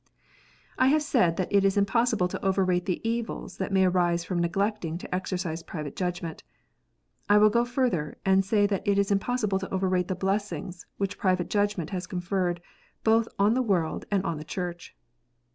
I have said that it is impossible to overrate the evils that may arise from neglecting to exercise private judgment. I will go further, and say that it is impossible to overrate the blessings which private judgment has conferred both on the world and on the Church.